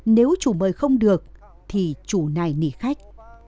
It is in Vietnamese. nếu chủ mời không được thì chủ này nỉ khách